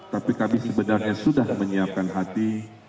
tapi kami sebenarnya sudah menyiapkan hati